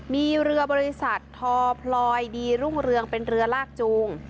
มีเรือบริษัททอพลอยดีรุ่งเรืองเป็นเรือลากจูง